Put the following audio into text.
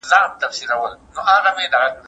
ديني عالمان د ټولنې د سمون لپاره لارښوونه کوي.